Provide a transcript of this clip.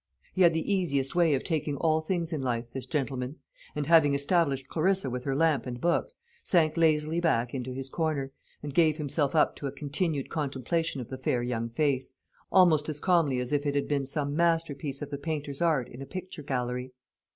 He had the easiest way of taking all things in life, this gentleman; and having established Clarissa with her lamp and books, sank lazily back into his corner, and gave himself up to a continued contemplation of the fair young face, almost as calmly as if it had been some masterpiece of the painter's art in a picture gallery.